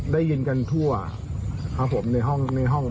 ได้ยินกันทั่วครับผมในห้องในห้อง